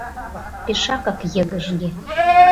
Пешакак йыгыжге...